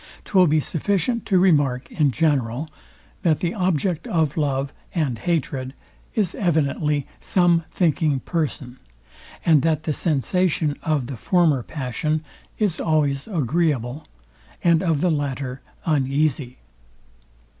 Twill be sufficient to remark in general, that the object of love and hatred is evidently some thinking person; and that the sensation of the former passion is always agreeable, and of the latter uneasy.